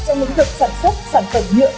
trong lĩnh vực sản xuất sản phẩm nhựa